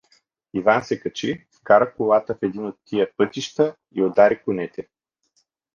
Иван се качи, вкара колата в един от тия пътища и удари конете.